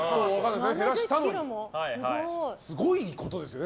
すごいことですよね。